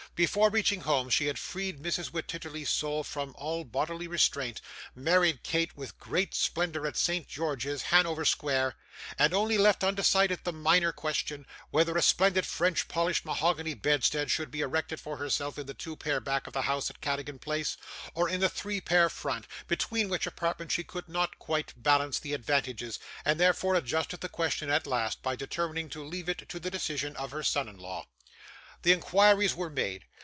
Before reaching home, she had freed Mrs. Wititterly's soul from all bodily restraint; married Kate with great splendour at St George's, Hanover Square; and only left undecided the minor question, whether a splendid French polished mahogany bedstead should be erected for herself in the two pair back of the house in Cadogan Place, or in the three pair front: between which apartments she could not quite balance the advantages, and therefore adjusted the question at last, by determining to leave it to the decision of her son in law. The inquiries were made.